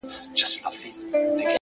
هره شېبه ارزښت لري؛